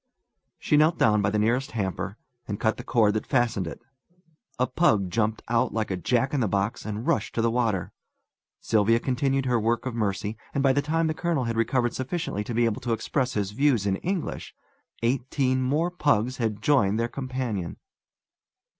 She knelt down by the nearest hamper, and cut the cord that fastened it. A pug jumped out like a jack in the box, and rushed to the water. Sylvia continued her work of mercy, and by the time the colonel had recovered sufficiently to be able to express his views in English, eighteen more pugs had joined their companion.